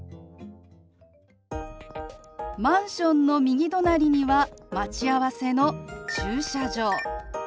マンションの右隣には待ち合わせの駐車場。